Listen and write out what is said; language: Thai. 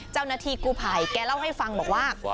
เจ้าหน้าที่กูภัยแกเล่าให้ฟังบอกว่า